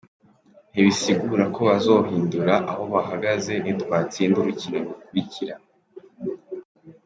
Ntibisigura ko bazohindura aho bahagaze nitwatsinda urukino rukurikira".